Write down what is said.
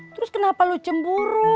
terus kenapa lu cemburu